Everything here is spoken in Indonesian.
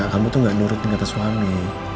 kamu tuh gak nurutin kata suami